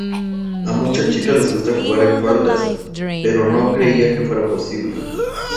A muchas chicas les gusta jugar en faldas, pero no creía que fuera posible.